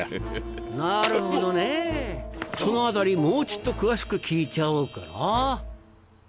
・なるほどねぇ・その辺りもうちっと詳しく聞いちゃおうかな。